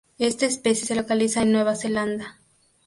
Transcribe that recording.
Esta especie se localiza en Nueva Zelanda.